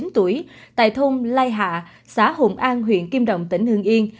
bốn mươi chín tuổi tại thôn lai hạ xã hồn an huyện kim đồng tỉnh hương yên